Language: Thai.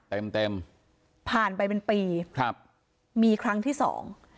เต็มเต็มผ่านไปเป็นปีครับมีครั้งที่สอง